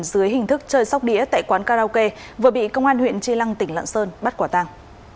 dưới hình thức chơi sóc đĩa tại quán karaoke vừa bị công an huyện tri lăng tỉnh lạng sơn bắt quả tàng